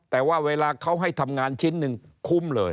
แต่ว่าเวลาเขาให้ทำงานชิ้นหนึ่งคุ้มเลย